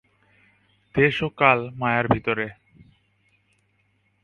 দেশ ও কাল মায়ার ভিতরে।